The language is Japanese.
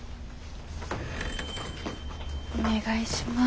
お願いします。